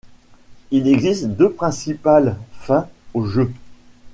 Il existe deux principales fins au jeu.